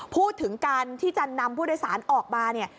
พูดถึงการที่จะนำผู้โดยสารออกมาเนี่ย